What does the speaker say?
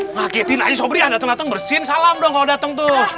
ngaketin aja sobria dateng dateng bersin salam dong kalo dateng tuh